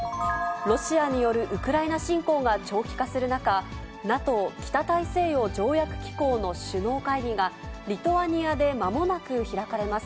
ロシアによるウクライナ侵攻が長期化する中、ＮＡＴＯ・北大西洋条約機構の首脳会議が、リトアニアでまもなく開かれます。